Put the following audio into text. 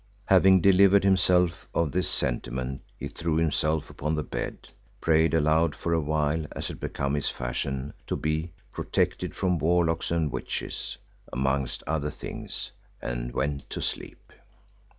Having delivered himself of this sentiment he threw himself upon the bed, prayed aloud for a while as had become his fashion, to be "protected from warlocks and witches," amongst other things, and went to sleep.